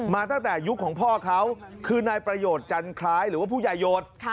มาตั้งแต่ยุคของพ่อเขาคือนายประโยชน์จันคล้ายหรือว่าผู้ใหญ่โยชน์